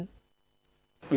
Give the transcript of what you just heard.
và với doanh nghiệp